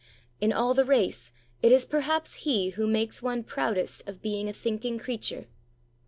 " In all the race, it is perhaps he who makes one proudest of being a thinking creature."